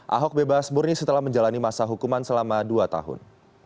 ahok bebas murni setelah menjalani masa hukuman selama dua tahun